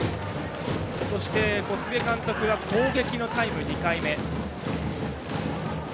そして、小菅監督が攻撃のタイム、２回目。